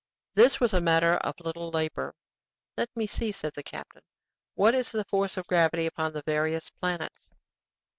This was a matter of little labor. "Let me see," said the captain; "what is the force of gravity upon the various planets?"